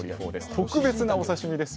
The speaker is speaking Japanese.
特別なお刺身です。